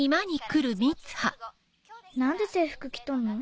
何で制服着とんの？